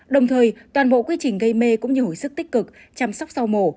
đồng thời toàn bộ quy trình gây mê cũng như hồi sức tích cực chăm sóc sau mổ